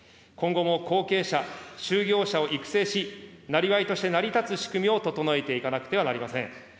今後も後継者、就業者を育成し、なりわいとして成り立つ仕組みを整えていかなくてはなりません。